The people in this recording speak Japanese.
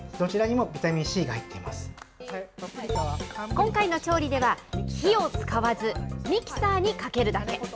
今回の調理では、火を使わず、ミキサーにかけるだけ。